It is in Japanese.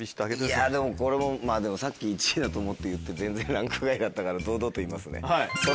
いやでもこれもでもさっき１位だと思って言って全然ランク外だったから堂々と言いますね。